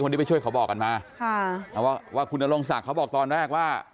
ที่ไปช่วยเขาบอกกันมาค่ะเอาว่าคุณนรงศักดิ์เขาบอกตอนแรกว่า